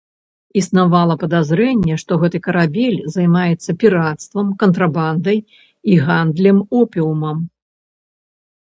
Існавала падазрэнне, што гэты карабель займаецца пірацтвам, кантрабандай і гандлем опіумам.